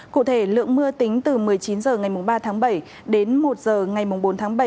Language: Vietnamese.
cụ thể lượng mưa tính từ một mươi chín h ngày ba tháng bảy đến một h ngày bốn tháng bảy